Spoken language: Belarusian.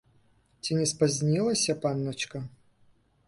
Ці не спазнілася, панначка?